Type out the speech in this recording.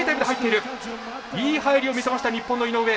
いい入りを見せました日本の井上。